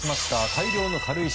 大量の軽石。